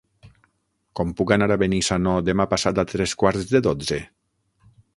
Com puc anar a Benissanó demà passat a tres quarts de dotze?